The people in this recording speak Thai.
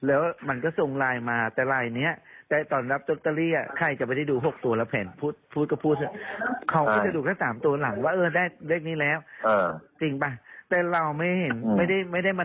เอาสองหกหลีเท่าไหร่เอาหมดอย่างเงี้ยแต่ทีเนี้ย